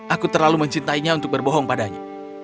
aku terlalu mencintainya untuk berbohong padanya